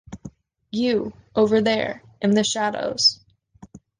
You, over there, in the shadows!